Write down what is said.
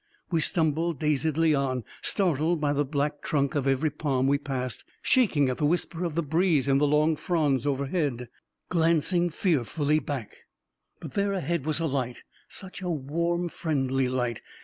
We stumbled dazedly on — startled by the blade trunk of every palm we passed — shaking at the whisper of the breeze in the long fronds overhead — glancing fearfully back ... 366 A KING IN BABYLON But there ahead was a light — such a warm, friendly light